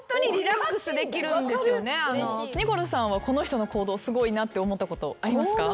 ニコルさんはこの人の行動すごいなって思ったことありますか？